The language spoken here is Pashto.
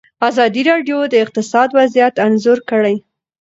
ازادي راډیو د اقتصاد وضعیت انځور کړی.